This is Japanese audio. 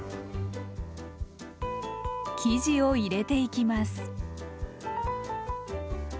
生地を入れていきます。